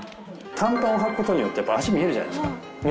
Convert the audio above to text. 短パンをはくことによってやっぱ脚見えるじゃないですか。